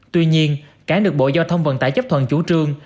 tuy nhiên cảng được bộ giao thông vận tải chấp thuận chủ trương